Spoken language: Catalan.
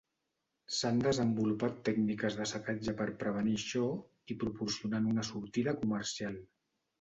S'han desenvolupat tècniques d'assecatge per prevenir això i proporcionant una sortida comercial.